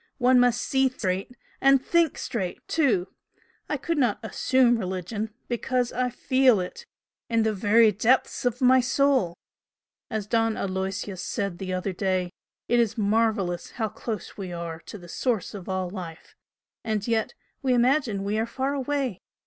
One must SEE straight, and THINK straight too! I could not 'assume' religion, because I FEEL it in the very depths of my soul! As Don Aloysius said the other day, it is marvellous how close we are to the Source of all life, and yet we imagine we are far away!